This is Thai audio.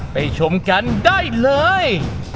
ชมกันได้เลย